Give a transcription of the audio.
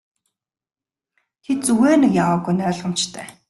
Тэд зүгээр нэг яваагүй нь ойлгомжтой.